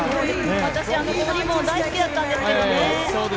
私、あのリボン大好きだったんですけどね。